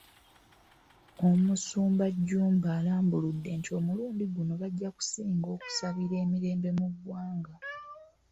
Omusumba Jjumba alambuludde nti omulundi guno bajja kusinga okusabira emirembe mu ggwanga.